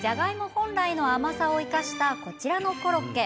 本来の甘さを生かしたこちらのコロッケ。